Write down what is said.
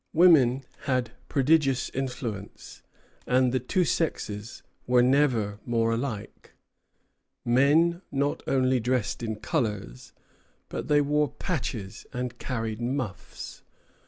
Women had prodigious influence, and the two sexes were never more alike. Men not only dressed in colors, but they wore patches and carried muffs.